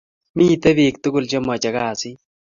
Mitech bik tukul che mache kasit